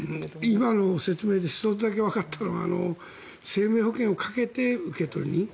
今の説明で１つだけわかったのは生命保険をかけて、受取人。